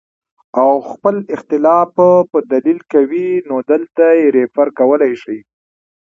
او خپل اختلاف پۀ دليل کوي نو دلته ئې ريفر کولے شئ